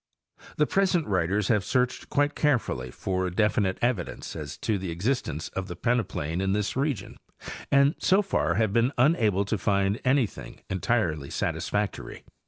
The present writers have searched quite carefully for definite evidence as to the existence of the pene plain in this region and so far have been unable to find any thing entirely satisfactory.